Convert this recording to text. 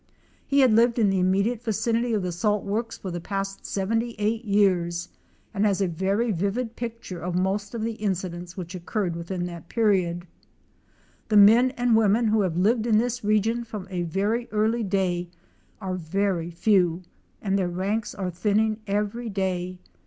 He had lived in the immediate vicinity of the salt works for the past 78 years and has a very vivid picture of most of the in cidents which occurred within that period. The men and women who have lived in this region from a very early day are very few and their ranks are thinning every day.